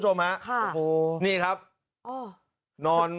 นี่ครับนอน